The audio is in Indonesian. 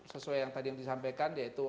sesuai yang tadi yang disampaikan yaitu